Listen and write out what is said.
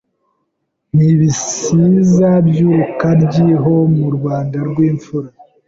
N'ibisiza by'Urukaryi Ho mu Rwanda rw'imfura